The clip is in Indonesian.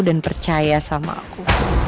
dan percaya sama aku